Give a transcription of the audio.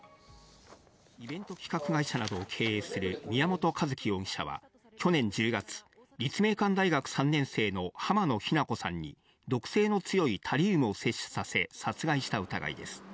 イベント企画会社などを経営する宮本一希容疑者は去年１０月、立命館大学３年生の浜野日菜子さんに毒性が強いタリウムを摂取させ、殺害した疑いです。